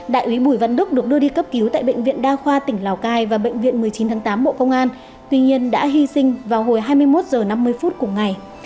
đại úy bùi văn đức được đưa đi cấp cứu tại bệnh viện đa khoa tỉnh lào cai và bệnh viện một mươi chín tháng tám bộ công an tuy nhiên đã hy sinh vào hồi hai mươi một h năm mươi phút cùng ngày